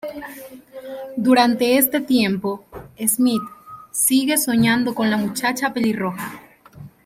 Durante este tiempo, Smith sigue soñando con la muchacha pelirroja.